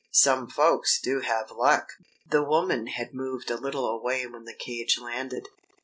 Some folks do have luck!" The woman had moved a little away when the cage landed.